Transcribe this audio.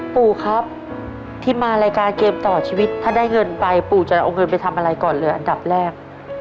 ปู่ครับที่มารายการเกมต่อชีวิตถ้าได้เงินไปปู่จะเอาเงินไปทำอะไรก่อนเลยอันดับแรก